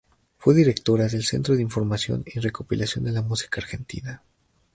Fue directora del Centro de Información y Recopilación de la Música Argentina.